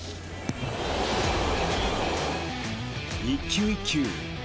１球１球